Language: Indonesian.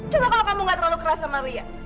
cuma kalau kamu nggak terlalu keras sama liha